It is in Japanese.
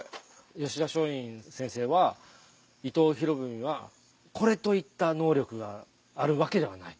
吉田松陰先生は「伊藤博文はこれといった能力があるわけではない。